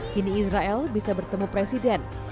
kini israel bisa bertemu presiden